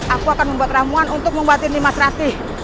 aku akan membuat ramuan untuk membuat timas ratih